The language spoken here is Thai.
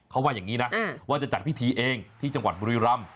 เขาว่าอย่างนี้นะว่าจะจัดพิธีเองที่จังหวัดบุรีรำ